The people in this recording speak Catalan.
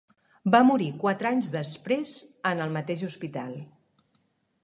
Va morir quatre anys després en el mateix hospital.